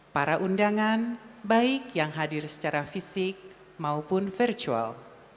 para undangan baik yang hadir secara fisik maupun virtual